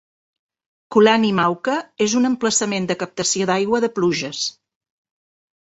Kulani Mauka és un emplaçament de captació d'aigua de pluges.